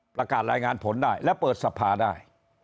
ประกาศรายงานผลได้แล้วเปิดสภาได้